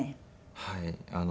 はい。